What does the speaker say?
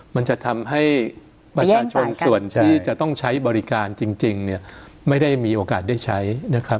มันจะทำให้ประชาชนส่วนที่จะต้องใช้บริการจริงเนี่ยไม่ได้มีโอกาสได้ใช้นะครับ